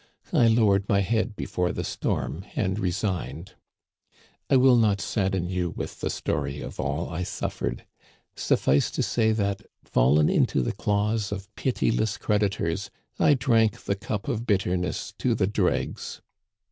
I lowered my head before the storm and resigned. " I will not sadden you with the story of all I suf Digitized by VjOOQIC ''THE GOOD gentleman: H7 fered ; suffice to say that, fallen into the claws of piti less creditors, I drank the cup of bitterness to the dregs.